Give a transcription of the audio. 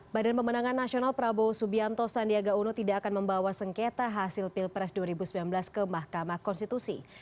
badan pemenangan nasional prabowo subianto sandiaga uno tidak akan membawa sengketa hasil pilpres dua ribu sembilan belas ke mahkamah konstitusi